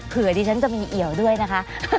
เผื่อดีฉันจะมีเหี่ยวด้วยนะคะ